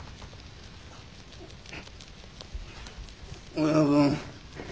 親分。